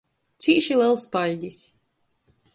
Cīši lels paļdis!